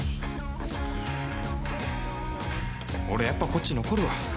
俺やっぱこっち残るわ。